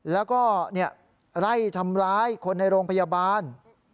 แล้วก็ไล่ทำร้ายคนในโรงพยาบาล